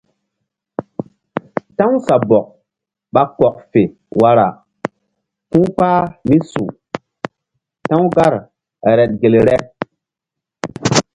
Ta̧w sabɔk ɓa kɔk fe wara ku̧ kpah mí su ta̧w gar reɗ gel reɗ.